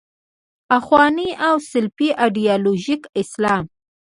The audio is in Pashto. اخواني او سلفي ایدیالوژیک اسلام.